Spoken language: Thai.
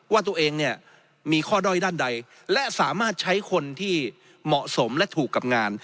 ว่าตัวเองเนี่ยมีข้อด้อยด้านใดและสามารถใช้คนที่เหมาะสมและถูกกับงาน